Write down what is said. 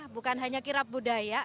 bukan hanya kirap budaya